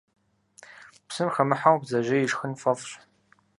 Псым хэмыхьэу бдзэжьей ишхын фӀэфӀщ.